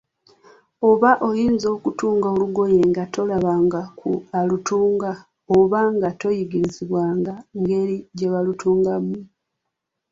Oba oyinza okutunga olugoye nga tolabanga ku alutunga, oba nga toyigirizibwanga ngeri gye balutungamu?